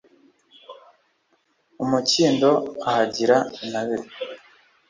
mu mukindo ahagira intabire